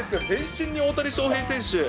全身に大谷翔平選手。